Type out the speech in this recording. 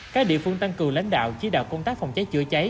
các địa phương tăng cường lãnh đạo chỉ đạo công tác phòng cháy chữa cháy